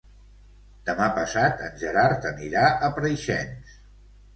Demà passat en Gerard anirà a Preixens.